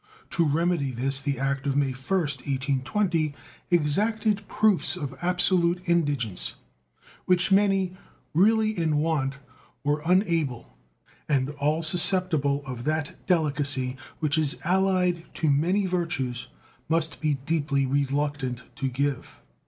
To remedy this the act of May 1st, 1820, exacted proofs of absolute indigence, which many really in want were unable and all susceptible of that delicacy which is allied to many virtues must be deeply reluctant to give.